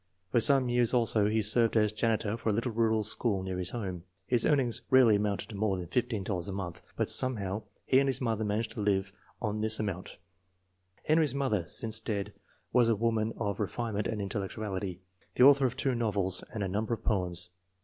For some years also he served as janitor for a little rural school near his home. His earnings rarely amounted to more than $15 a month, but some how he and his mother managed to live on this amount. Henry's mother, since dead, was a woman of refine ment and intellectuality, the author of two novels and a number of poems.